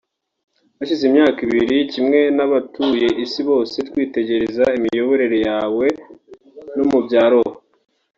Hashize imyaka ibiri kimwe n’abatuye isi bose twitegereza imiyoborere yawe mu bya roho